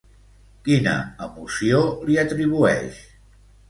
Quina emoció li atribueix?